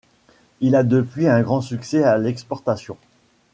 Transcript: Il a depuis un grand succès à l'exportation.